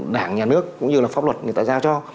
đảng nhà nước cũng như là pháp luật người ta giao cho